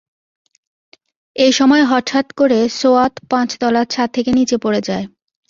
এ সময় হঠাৎ করে সোয়াত পাঁচতলার ছাদ থেকে নিচে পড়ে যায়।